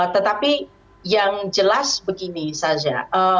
tetapi yang jelas begini saja